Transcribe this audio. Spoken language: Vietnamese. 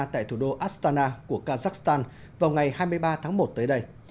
tại thủ đô astana của kazakhstan vào ngày hai mươi ba tháng một tới đây